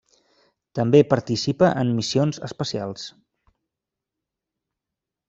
També participa en missions espacials.